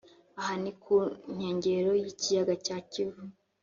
aha ni ku nkengero y’Ikiyaga cya Kivu